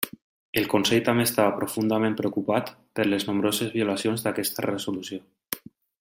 El Consell també estava profundament preocupat per les nombroses violacions d'aquesta resolució.